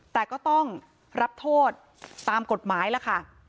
แต่ก็ต้องรับโทษตามกฎหมายล่ะค่ะ